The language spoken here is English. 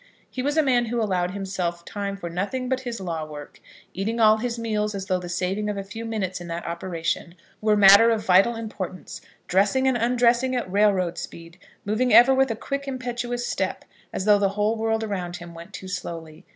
He was a man who allowed himself time for nothing but his law work, eating all his meals as though the saving of a few minutes in that operation were matter of vital importance, dressing and undressing at railroad speed, moving ever with a quick, impetuous step, as though the whole world around him went too slowly.